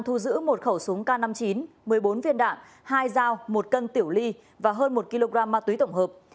thu giữ một khẩu súng k năm mươi chín một mươi bốn viên đạn hai dao một cân tiểu ly và hơn một kg ma túy tổng hợp